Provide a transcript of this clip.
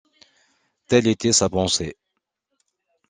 Telle était sa pensée.